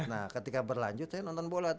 nah ketika berlanjut saya nonton bola